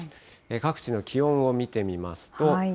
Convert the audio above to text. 各地の気温を見てみますと。